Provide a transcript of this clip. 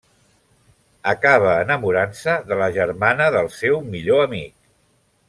Acaba enamorant-se de la germana del seu millor amic.